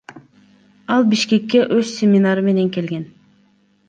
Ал Бишкекке өз семинары менен келген.